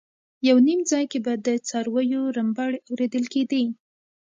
یو نیم ځای کې به د څارویو رمباړې اورېدل کېدې.